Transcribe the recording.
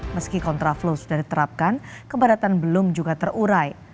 meski kontraflow sudah diterapkan keberatan belum juga terurai